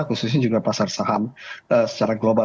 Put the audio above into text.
khususnya juga pasar saham secara global